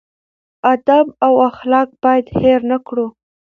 ادب او اخلاق باید هېر نه کړو.